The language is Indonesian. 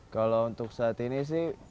kalau untuk saat ini sih